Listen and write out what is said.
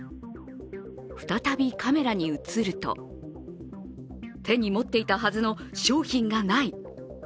再びカメラに映ると手に持っていたはずの商品がない。